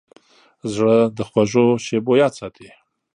زړه د خوږو شیبو یاد ساتي.